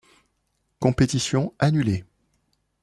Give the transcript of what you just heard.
Compétition annulée.